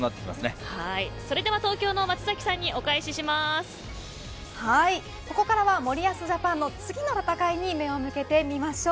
それでは、東京の松崎さんにここからは森保ジャパンの次の戦いに目を向けてみましょう。